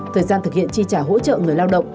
thời gian thực hiện chi trả hỗ trợ người lao động